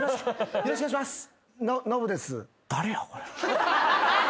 よろしくお願いします。